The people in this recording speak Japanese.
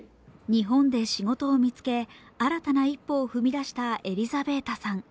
日本で仕事を見つけ新たな一歩を踏み出したエリザベータさん。